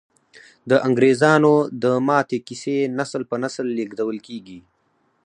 د انګریزامو د ماتې کیسې نسل په نسل لیږدول کیږي.